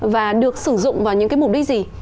và được sử dụng vào những cái mục đích gì